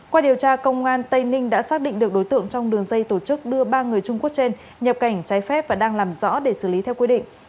qua điều tra công an tây ninh đã xác định được đối tượng trong đường dây tổ chức đưa ba người trung quốc trên nhập cảnh trái phép và đang làm rõ để xử lý theo quy định